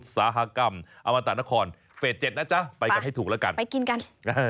สหกรรมอมัตตานครเฟส๗นะจ๊ะไปกันให้ถูกแล้วกัน